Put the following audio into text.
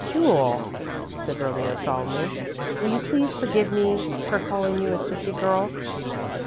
"Jule," said Romeo, solemnly, "will you please forgive me for calling you a 'sissy girl'?"